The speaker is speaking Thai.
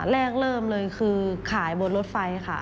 เริ่มเลยคือขายบนรถไฟค่ะ